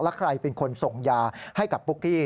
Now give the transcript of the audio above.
แล้วใครเป็นคนส่งยาให้กับปุ๊กกี้